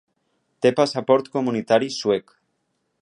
Té passaport comunitari suec.